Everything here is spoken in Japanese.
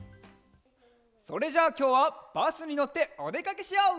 それじゃあきょうはバスにのっておでかけしよう！